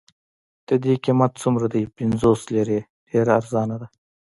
د دې قیمت څومره دی؟ پنځوس لیرې، ډېره ارزانه ده.